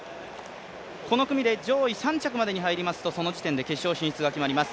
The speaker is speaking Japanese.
この組で上位３着までに入りますとその時点で決勝進出が決まります。